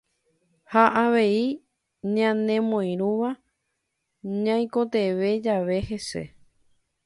Ha avei ñanemoirũva ñaikotevẽ jave hese.